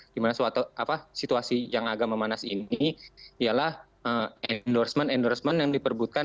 dimana suatu situasi yang agak memanas ini ialah endorsement endorsement yang diperbutkan